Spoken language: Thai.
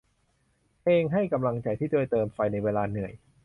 เพลงให้กำลังใจ ที่ช่วยเติมไฟในเวลาเหนื่อย